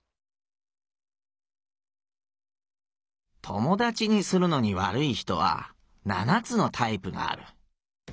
「友だちにするのにわるい人は七つのタイプがある。